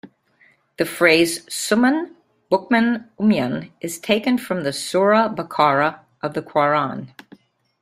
The phrase "Summun, Bukmun, Umyun" is taken from the Sura Bakara of the Qur'an.